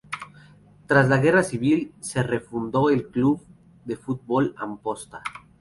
Tras la guerra civil se refundó el Club de Futbol Amposta.